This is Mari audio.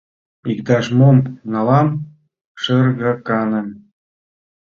Иктаж-мом налам, шергаканым...